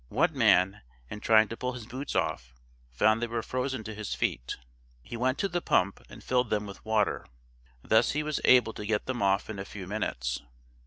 One man, in trying to pull his boots off, found they were frozen to his feet; he went to the pump and filled them with water, thus he was able to get them off in a few minutes.